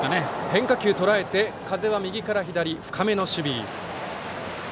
変化球をとらえて風は右から左、深めの守備。